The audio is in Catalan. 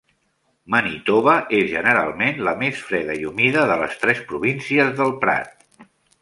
Manitoba és generalment la més freda i humida de les tres províncies del prat.